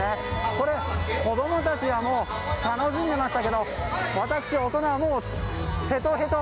これ、子供たちは楽しんでいましたけど私、大人はヘトヘト。